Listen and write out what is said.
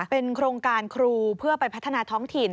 เป็นโครงการครูเพื่อไปพัฒนาท้องถิ่น